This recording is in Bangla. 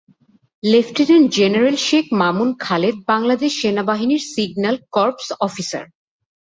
লেফটেন্যান্ট জেনারেল শেখ মামুন খালেদ বাংলাদেশ সেনাবাহিনীর সিগন্যাল কর্পস অফিসার।